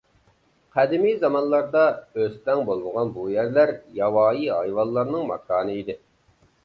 قەدىمىي زامانلاردا ئۆستەڭ بولمىغان بۇ يەرلەر ياۋايى ھايۋانلارنىڭ ماكانى ئىدى.